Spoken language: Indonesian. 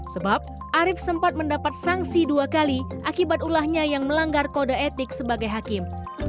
sebab arief sempat mendapat sanksi dua kali akibat ulahnya yang melanggar kode etik sebagai hakim